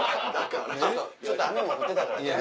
ちょっと雨も降ってたから。